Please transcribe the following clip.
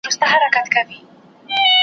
اثارو، او تاریخي اغېز کې ژوندی پاتې کیږي.